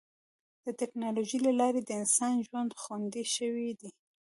د ټکنالوجۍ له لارې د انسان ژوند خوندي شوی دی.